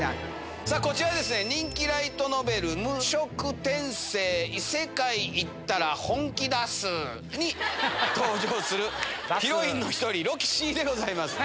さあ、こちらですね、人気ライトノベル、無職転生・異世界行ったら本気だすに登場するヒロインの１人、ロキシーでございます。